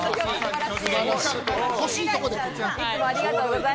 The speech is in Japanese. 欲しいところでくるね。